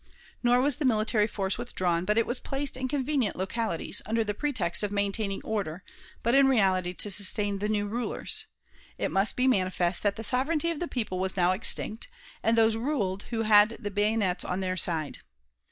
Nor was the military force withdrawn, but it was placed in convenient localities, under the pretext of maintaining order, but in reality to sustain the new rulers. It must be manifest that the sovereignty of the people was now extinct, and those ruled who had the bayonets on their side.